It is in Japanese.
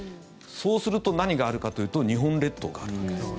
そうすると、何があるかというと日本列島があるわけです。